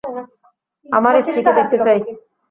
আমার স্ত্রীকে দেখতে চাই।